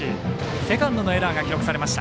セカンドのエラーが記録されました。